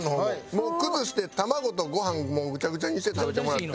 もう崩して卵とご飯もうぐちゃぐちゃにして食べてもらって。